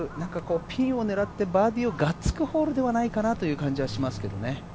ピンを狙ってバーディーをがっつくホールではないかなという感じがします。